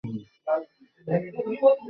তারা এখানে নেই।